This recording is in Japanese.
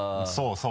そう。